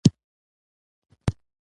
خو د ظلم مقابل کې چوپ پاتې کېدل یې ونه منل.